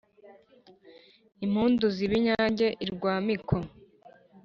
impundu ziba inyange i rwamiko